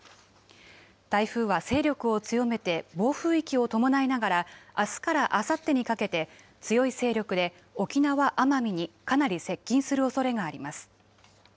台風は勢力を強めて暴風域を伴いながら、あすからあさってにかけて、強い勢力で沖縄・奄美にかなり接近するおそれがあります。